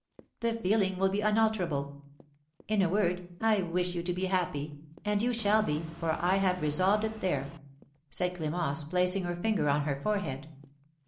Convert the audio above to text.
The feeling will be unalterable. In a word, I wish you to be happy; and you shall be, for I have resolved it there," said Clémence, placing her finger on her forehead.